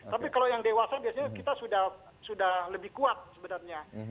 tapi kalau yang dewasa biasanya kita sudah lebih kuat sebenarnya